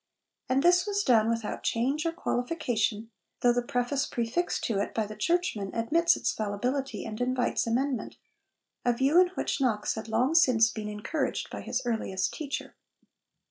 And this was done without change or qualification, though the preface prefixed to it by the Churchmen admits its fallibility and invites amendment a view in which Knox had long since been encouraged by his earliest teacher.